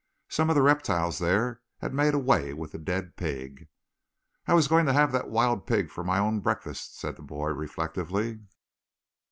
Some of the reptiles there had made away with the dead pig. "I was going to have that wild pig for my own breakfast," said the boy reflectively.